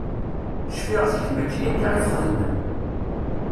Cfiɣ zik mačči akka i t-xeddmen.